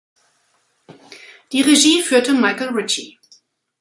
Die Regie führte Michael Ritchie.